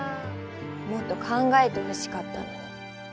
もっと考えてほしかったのに。